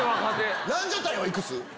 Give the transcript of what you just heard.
ランジャタイはいくつ？